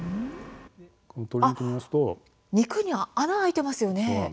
肉に穴があいていますよね。